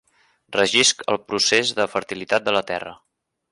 Regisc el procès de fertilitat de la terra.